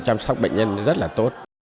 chăm sóc bệnh nhân rất là tốt